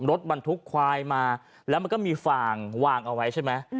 รถบรรทุกควายมาแล้วมันก็มีฝ่างวางเอาไว้ใช่ไหม